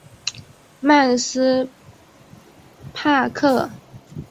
曼斯帕克。